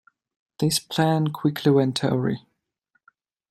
This plan quickly went awry.